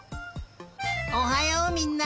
おはようみんな！